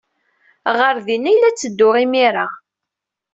Ɣer din ay la ttedduɣ imir-a.